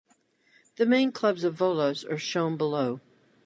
The main clubs of Volos are shown below.